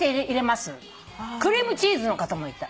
クリームチーズの方もいた。